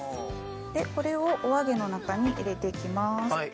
これをお揚げの中に入れていきます。